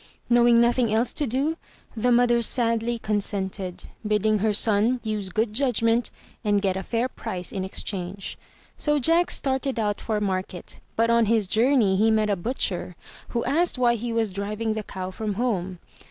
Knowing nothing else to do, the mother sadly consented, bidding her son use good judgment and get a fair price in exchange. So Jack started out for market, but on his journey he met a butcher, who asked why he was driving the cow from home.